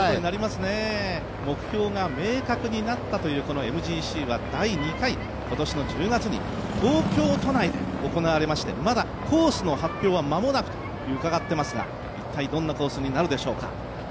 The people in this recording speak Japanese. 目標が明確になったというこのＭＧＣは第２回、今年の１０月に東京都内で行われましてまだコースの発表は間もなくと伺っていますが、一体どんなコースになるでしょうか。